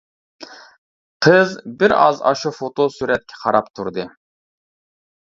قىز بىرئاز ئاشۇ فوتو سۈرەتكە قاراپ تۇردى.